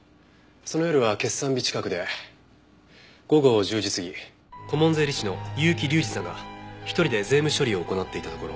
その夜は決算日近くで午後１０時すぎ顧問税理士の結城隆司さんが１人で税務処理を行っていたところ。